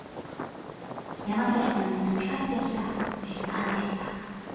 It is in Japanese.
山さんが培ってきた実感でした。